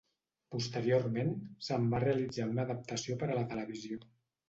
Posteriorment se'n va realitzar una adaptació per a la televisió.